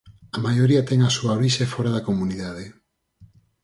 A maioría ten a súa orixe fóra da comunidade.